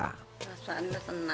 rasa anda senang lah